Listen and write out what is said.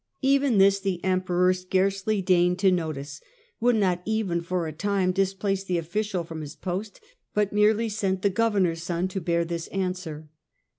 Even this the Emperor scarcely deigned to notice, would not even for a time displace the official from his post, but merely sent the governor's son to bear this answer.